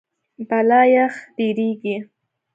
بالا یخ ډېریږي.